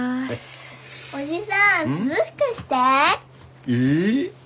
おじさん涼しくして。